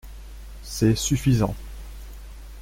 C’est suffisant.